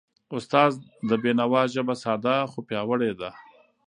استاد د بینوا ژبه ساده، خو پیاوړی ده.